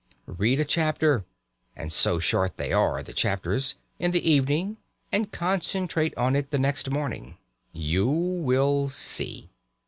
Read a chapter and so short they are, the chapters! in the evening and concentrate on it the next morning. You will see.